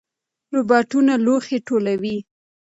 روباټونه لوښي ټولوي.